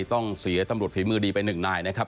ต้องเสียตำรวจฝีมือดีไปหนึ่งนายนะครับ